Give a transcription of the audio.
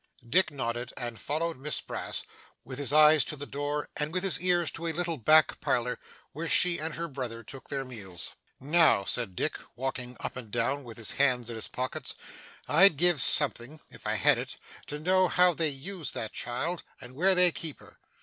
Dick nodded, and followed Miss Brass with his eyes to the door, and with his ears to a little back parlour, where she and her brother took their meals. 'Now,' said Dick, walking up and down with his hands in his pockets, 'I'd give something if I had it to know how they use that child, and where they keep her.